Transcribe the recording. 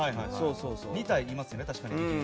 ２体いますね、確かに。